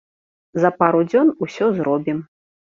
За пару дзён усё зробім.